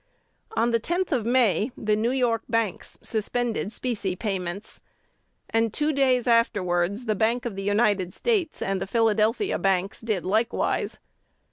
On the 10th of May, the New York banks suspended specie payments, and two days afterwards the Bank of the United States and the Philadelphia banks did likewise.